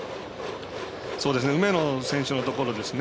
梅野選手のところですね。